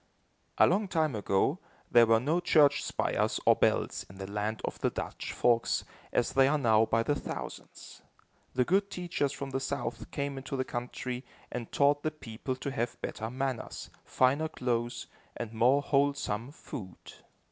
A long time ago, there were no church spires or bells in the land of the Dutch folks, as there are now by the thousands. The good teachers from the South came into the country and taught the people to have better manners, finer clothes and more wholesome food.